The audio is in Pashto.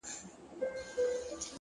خپل عادتونه خپل راتلونکی جوړوي.